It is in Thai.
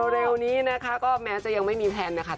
เร็วนี้นะคะก็แม้จะยังไม่มีแพลนนะคะ